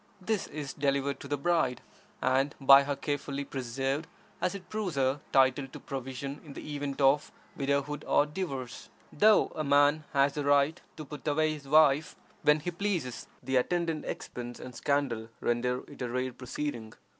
This is delivered to the bride, and by her carefully preserved, as it proves her title to provision in the event of widowhood or divorce. Though a man has the right to put away his wife when he pleases, the attendant expense and scandal render it a rare proceeding.